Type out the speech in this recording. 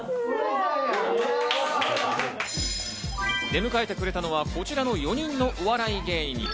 出迎えてくれたのは、こちらの４人のお笑い芸人。